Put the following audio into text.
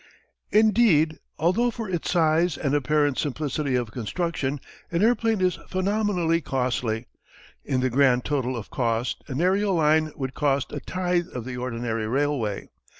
Indeed, although for its size and apparent simplicity of construction an airplane is phenomenally costly, in the grand total of cost an aërial line would cost a tithe of the ordinary railway.